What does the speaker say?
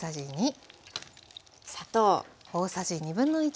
砂糖。